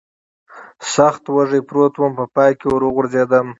سخت وږی پروت ووم، په پای کې ور وغورځېدم.